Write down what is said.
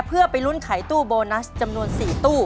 เพื่อไปลุ้นไขตู้โบนัสจำนวน๔ตู้